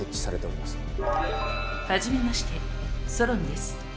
初めましてソロンです。